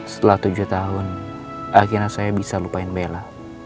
setelah tujuh tahun akhirnya saya bisa lupain bela